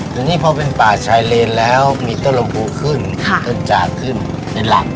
ทีนี้พอเป็นป่าชายเลนแล้วมีต้นลมภูขึ้นต้นจากขึ้นเป็นหลัก